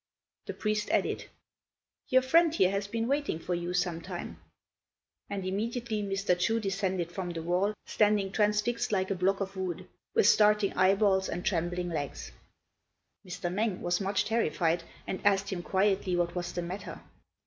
The priest added, "Your friend here has been waiting for you some time;" and immediately Mr. Chu descended from the wall, standing transfixed like a block of wood, with starting eyeballs and trembling legs. Mr. Mêng was much terrified, and asked him quietly what was the matter.